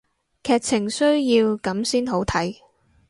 劇情需要噉先好睇